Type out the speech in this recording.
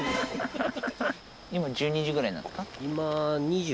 今１２時ぐらいなんですか？